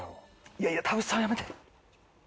いやいや田渕さんはやめて。